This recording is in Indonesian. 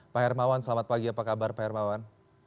pak hermawan selamat pagi apa kabar pak hermawan